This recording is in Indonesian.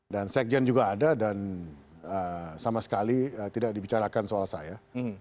dan sekjen juga ada dan sama sekali tidak dibicarakan soal saya